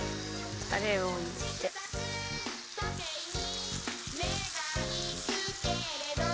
「時計に目がいくけれど」